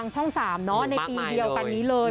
ช่อง๓ในปีเดียวกันนี้เลย